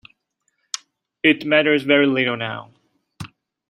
It matters very little now.